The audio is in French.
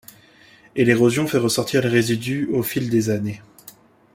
Et l'érosion fait ressortir les résidus au fil des années.